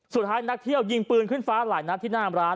สุดท้ายนักเที่ยวยิงปืนขึ้นฟ้าหลายนักที่น่ามร้าน